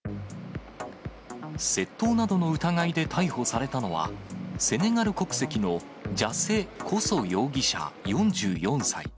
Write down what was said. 窃盗などの疑いで逮捕されたのは、セネガル国籍のジャセ・コソ容疑者４４歳。